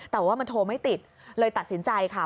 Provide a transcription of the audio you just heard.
แต่ว่ามันโทรไม่ติดเลยตัดสินใจค่ะ